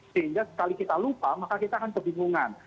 sehingga sekali kita lupa maka kita akan kebingungan